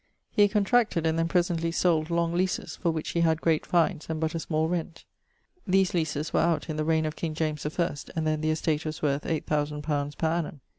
He contracted, and then presently sold long leases, for which he had great fines and but a small rent. These leases were out in the reigne of King James the first, and then the estate was worth 8000 pounds per annum.